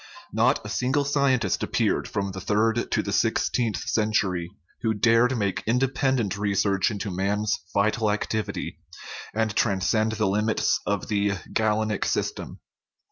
Not a single scientist appeared from the third to the six teenth century who dared to make independent research into man's vital activity, and transcend the limits of the Galenic system.